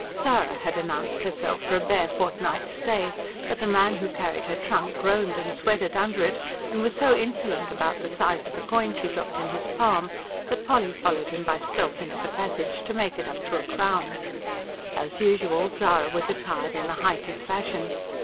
Zara had announced herself for a bare fortnight's stay; but the man who carried her trunk groaned and sweated under it, and was so insolent about the size of the coin she dropped in his palm that Polly followed him by stealth into the passage, to make it up to a crown. As usual Zara was attired in the height of fashion.